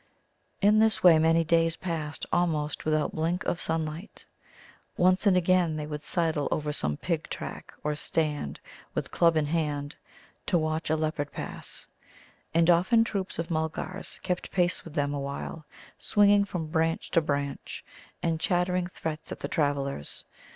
In this way many days passed almost without blink of sunlight. Once and again they would sidle over some pig track, or stand, with club in hand, to watch a leopard pass. And often troops of Mulgars kept pace with them awhile, swinging from branch to branch, and chattering threats at the travellers.